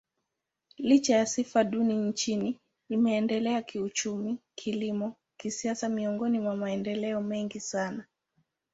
Licha ya sifa duni nchini, imeendelea kiuchumi, kilimo, kisiasa miongoni mwa maendeleo mengi sana.